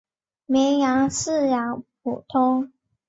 绵羊饲养普通。